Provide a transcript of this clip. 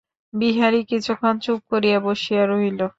বিহারী কিছুক্ষণ চুপ করিয়া বসিয়া রহিল।